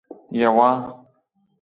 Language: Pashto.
یوه